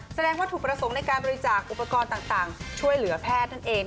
แสดงว่าถูกประสงค์ในการบริจาคอุปกรณ์ต่างช่วยเหลือแพทย์นั่นเอง